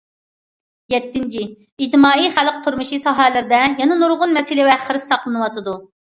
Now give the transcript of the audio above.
يەتتىنچىدىن، ئىجتىمائىي خەلق تۇرمۇشى ساھەلىرىدە يەنە نۇرغۇن مەسىلە ۋە خىرىس ساقلىنىۋاتىدۇ.